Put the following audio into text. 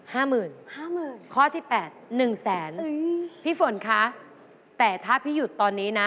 ห้าหมื่นข้อที่๘หนึ่งแสนพี่ฝนคะแต่ถ้าพี่หยุดตอนนี้นะ